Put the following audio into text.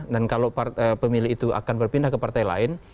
dan kalau pemilih itu akan berpindah ke partai lain